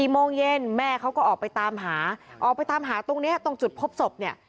โมงเย็นแม่เขาก็ออกไปตามหาออกไปตามหาตรงนี้ตรงจุดพบศพเนี่ย